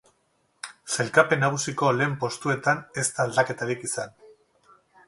Sailkapen nagusiko lehen postuetab, ez da aldaketarik izan.